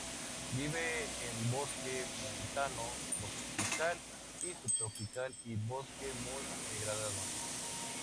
Vive en bosque montano tropical y subtropical y bosque muy degradado.